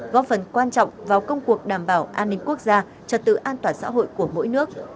góp phần quan trọng vào công cuộc đảm bảo an ninh quốc gia trật tự an toàn xã hội của mỗi nước